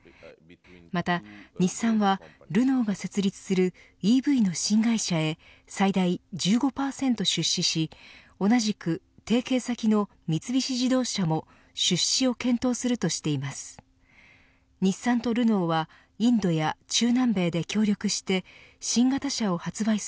また日産は、ルノーが設立するＥＶの新会社へ最大１５％出資し同じく提携先の三菱自動車も出資を検討するとしています。